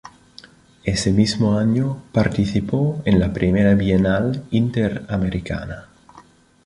Ese mismo año participó en la Primera Bienal Interamericana.